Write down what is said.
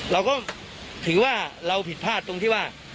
เราก็ถือว่าเราผิดพลาดตรงที่ว่า